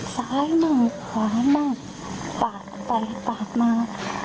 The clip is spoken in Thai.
ซ้ายมือขวามือปากไปปากมา